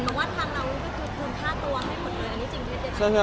อันนี้จริงใช่มั้ย